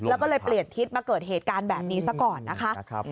แล้วก็เลยเปลี่ยนทิศมาเกิดเหตุการณ์แบบนี้ซะก่อนนะคะ